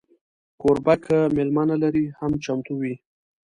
کوربه که میلمه نه لري، هم چمتو وي.